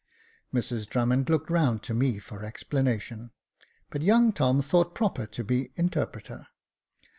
Mrs Drummond looked round to me for explanation, but young Tom thought proper to be interpreter.